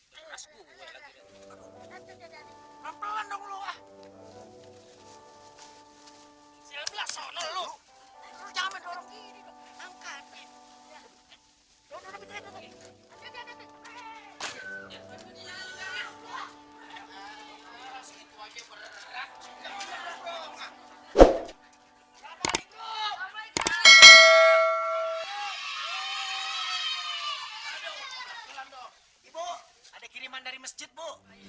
ibu ada kiriman dari masjid bu